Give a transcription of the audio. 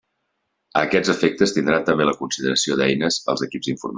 A aquests efectes tindran també la consideració d'eines els equips informàtics.